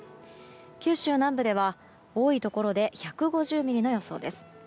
九州南部では、多いところで１５０ミリの予想です。